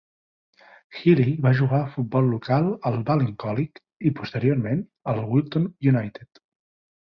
Healy va jugar a futbol local al Ballincollig i, posteriorment, al Wilton United.